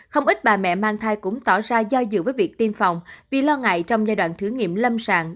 không ít bà mẹ mang thai cũng tỏ ra do dự với việc tiêm phòng vì lo ngại trong giai đoạn thử nghiệm lâm sàng